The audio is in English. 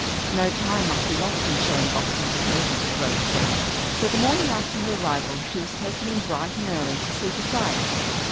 No time must be lost in showing Boston to Katy, Rose said. So the morning after her arrival she was taken in bright and early to see the sights.